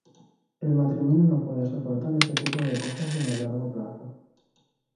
El matrimonio no puede soportar ese tipo de cosas en el largo plazo.